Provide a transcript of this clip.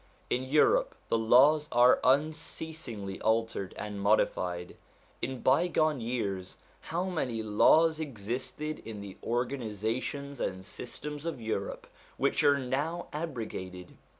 In Europe the laws are unceasingly altered and modified ; in bygone years, how many laws existed in the organisations and systems of Europe, which are now abrogated